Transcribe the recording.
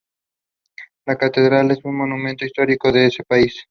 La catedral es un monumento histórico de ese país.